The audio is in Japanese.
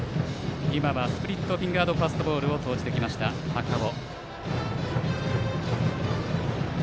スプリットフィンガードファストボールを投じてきた高尾。